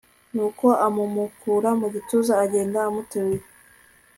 Nuko amumukura mu gituza agenda amuteruye